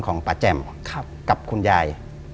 ป้าแจ่มกับคุณยาย